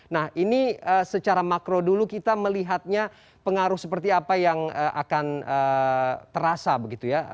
nah ini secara makro dulu kita melihatnya pengaruh seperti apa yang akan terasa begitu ya